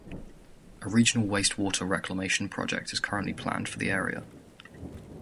A regional wastewater reclamation project is currently planned for the area.